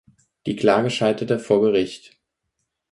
Die Klage scheiterte vor Gericht.